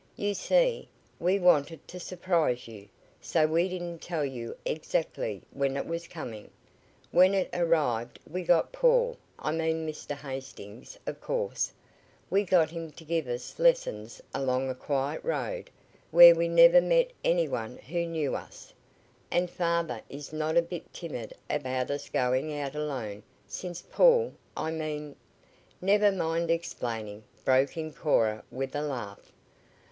"You see, we wanted to surprise you, so we didn't tell you exactly when it was coming. When it arrived we got Paul I mean Mr. Hastings, of course we got him to give us lessons along a quiet road, where we never met any one who knew us. And father is not a bit timid about us going out alone since Paul I mean " "Never mind explaining," broke in Cora with a laugh.